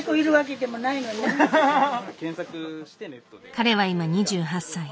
彼は今２８歳。